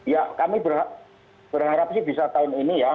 ya kami berharap sih bisa tahun ini ya